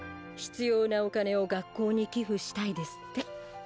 必要なお金を学校に寄付したいですって。